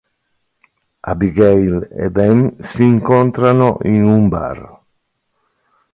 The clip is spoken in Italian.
Abigail e Ben si incontrano in un bar.